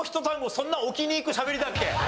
そんな置きにいくしゃべりだっけ？